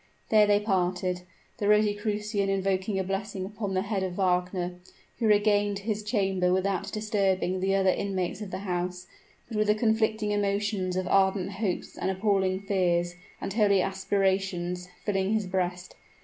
There they parted, the Rosicrucian invoking a blessing upon the head of Wagner, who regained his chamber without disturbing the other inmates of the house: but with the conflicting emotions of ardent hopes and appalling fears, and holy aspirations, filling his breast.